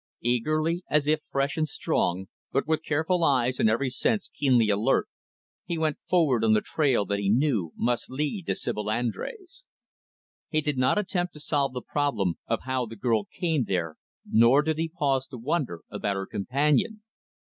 Eagerly, as if fresh and strong, but with careful eyes and every sense keenly alert, he went forward on the trail that he knew must lead him to Sibyl Andrés. He did not attempt to solve the problem of how the girl came there, nor did he pause to wonder about her companion.